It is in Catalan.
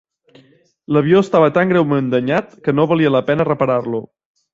L'avió estava tan greument danyat que no valia la pena reparar-lo.